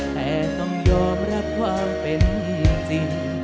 แต่ต้องยอมรับความเป็นจริง